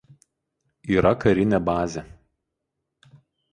Yra karinė bazė.